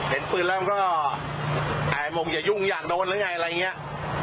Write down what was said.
เห็นปืนแล้วมันก็อายมงอย่ายุ่งอยากโดนหรือไงอะไรอย่างนี้